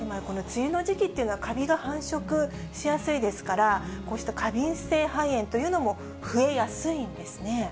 梅雨の時期っていうのは、カビが繁殖しやすいですから、こうした過敏性肺炎というのも増えやすいんですね。